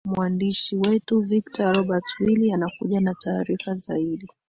mwandishi wetu victor robert willi anakuja na taarifa zaidi